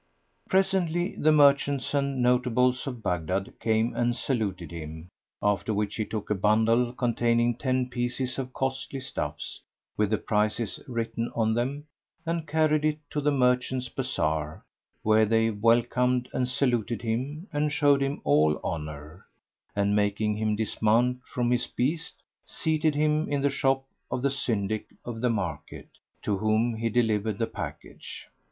Presently the merchants and notables of Baghdad came and saluted him, after which he took a bundle containing ten pieces of costly stuffs, with the prices written on them, and carried it to the merchants' bazar, where they welcomed and saluted him and showed him all honour; and, making him dismount from his beast, seated him in the shop of the Syndic of the market, to whom he delivered the package.